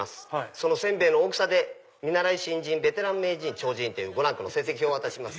その煎餅の大きさで「見習い」「新人」「ベテラン」「名人」「超人」という５ランクの成績表を渡します。